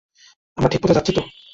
আমরা ঠিক পথে যাচ্ছি তো?